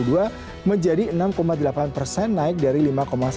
ecb juga menurunkan perkiraan pertumbuhan dan secara signifikan merevisi proyeksi inflasi